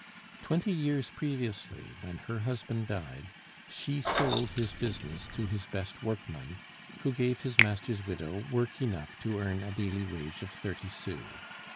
Twenty years previously, when her husband died, she sold his business to his best workman, who gave his master's widow work enough to earn a daily wage of thirty sous.